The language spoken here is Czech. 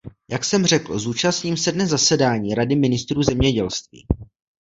Jak jsem řekl, zúčastním se dnes zasedání Rady ministrů zemědělství.